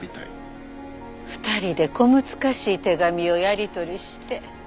２人で小難しい手紙をやり取りして。